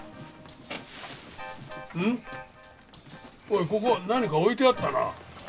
おいここ何か置いてあったな。